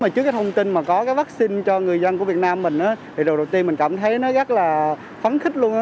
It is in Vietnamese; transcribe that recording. trước cái thông tin mà có cái vaccine cho người dân của việt nam mình thì lần đầu tiên mình cảm thấy nó rất là phấn khích luôn